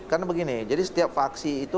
karena begini jadi setiap vaksi itu